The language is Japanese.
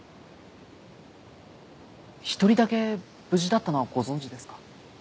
一人だけ無事だったのはご存じですか？